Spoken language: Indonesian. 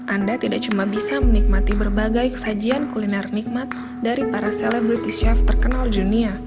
anda tidak cuma bisa menikmati berbagai kesajian kuliner nikmat dari para selebriti chef terkenal dunia